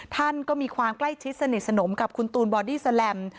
ท่านก็มีความใกล้ชิดสนิทสนมกับคุณตูนบอดี้แลม